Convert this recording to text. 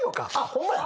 ホンマや。